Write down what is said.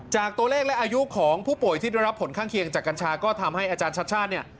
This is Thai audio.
จากตัวเลขและอายุของผู้ป่วยที่ได้รับผลข้างเคียงจากกัญชาก็ทำให้อาจารย์ชัดชาติเนี่ย